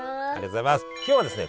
今日はですね